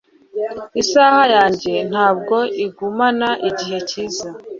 Isaha yanjye ntabwo igumana igihe cyiza.